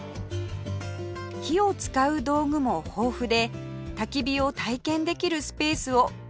火を使う道具も豊富でたき火を体験できるスペースを店の近くに設けています